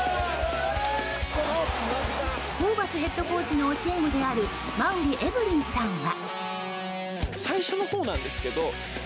ホーバスヘッドコーチの教え子である馬瓜エブリンさんは。